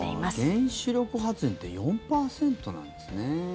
原子力発電って４％なんですね。